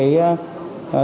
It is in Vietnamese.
hành chính công